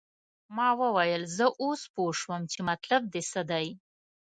ما وویل زه اوس پوه شوم چې مطلب دې څه دی.